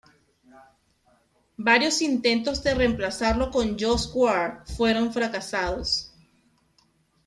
Varios intentos de reemplazarlo con Joseph Ward fueron fracasados.